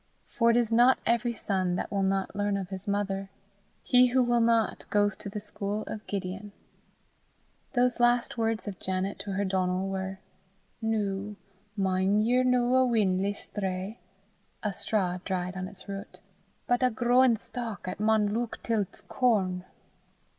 For it is not every son that will not learn of his mother. He who will not goes to the school of Gideon. Those last words of Janet to her Donal were, "Noo, min' yer no a win'le strae (a straw dried on its root), but a growin' stalk 'at maun luik till 'ts corn."